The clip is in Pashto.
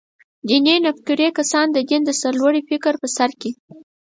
دیني نوفکري کسان «د دین د سرلوړۍ» فکر په سر کې.